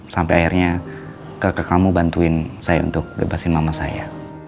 sampai akhirnya kakak kamu bantuin saya untuk bebasin mama saya